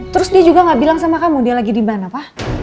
terus dia juga gak bilang sama kamu dia lagi di mana pak